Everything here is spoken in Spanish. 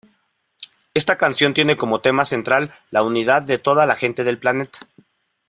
Esta canción tiene como tema central la unidad de toda la gente del planeta.